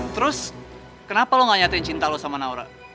terus kenapa lo gak nyatakan cint avez bersama naura